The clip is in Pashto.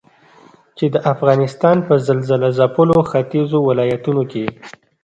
چې د افغانستان په زلزلهځپلو ختيځو ولايتونو کې